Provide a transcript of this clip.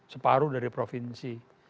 separuh dari provinsi